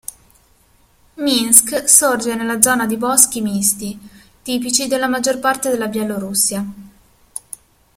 Minsk sorge nella zona di boschi misti, tipici della maggior parte della Bielorussia.